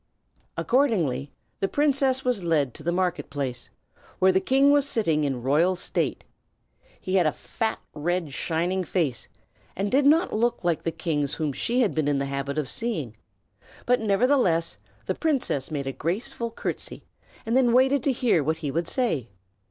Accordingly the princess was led to the market place, where the king was sitting in royal state. He had a fat, red, shining face, and did not look like the kings whom she had been in the habit of seeing; but nevertheless the princess made a graceful courtesy, and then waited to hear what he would say.